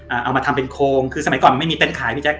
อ่าเอามาทำเป็นโคงคือสมัยก่อนมันไม่มีเต็นต์ขายพี่แจ๊ก